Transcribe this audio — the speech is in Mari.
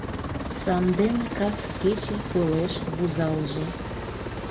Санден кас кече пылеш вузалже —